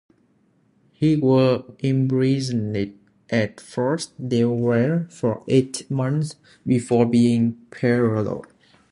He was imprisoned at Fort Delaware for eight months before being paroled.